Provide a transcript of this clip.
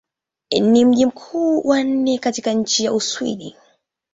Ni mji mkubwa wa nne katika nchi wa Uswidi.